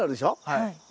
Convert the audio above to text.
はい。